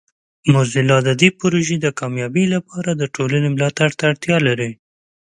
موزیلا د دې پروژې د کامیابۍ لپاره د ټولنې ملاتړ ته اړتیا لري.